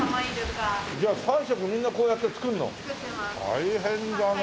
大変だね。